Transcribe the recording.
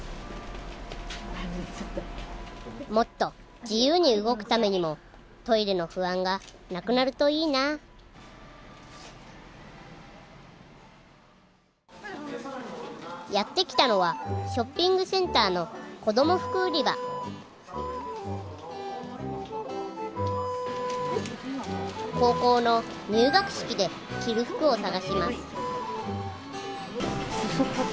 もっと自由に動くためにもトイレの不安がなくなるといいなあやって来たのはショッピングセンターの子供服売り場高校の入学式で着る服を探します